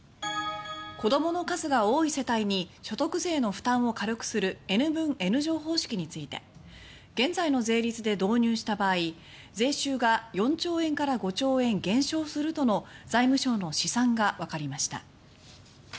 子どもの数が多い世帯に所得税の負担を軽くするＮ分Ｎ乗方式について現在の税率で導入した場合税収が４兆円から５兆円減少するとの財務省の試算がわかりました。